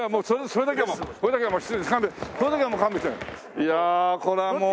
いやあこれはもう。